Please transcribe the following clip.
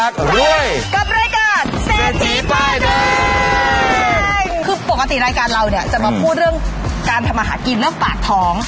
คือปกติรายการเราเนี่ยจะมาพูดเรื่องการทำอาหารกินเรื่องปากท้อง